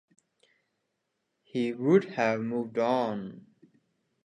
He would have moved on.